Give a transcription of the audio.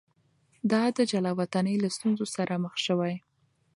ده د جلاوطنۍ له ستونزو سره مخ شوی.